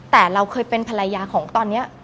แต่เราเคยเป็นภรรยาของตอนนี้